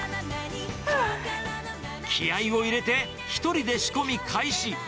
気合いを入れて、１人で仕込み開始。